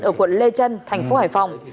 ở quận lê trân thành phố hải phòng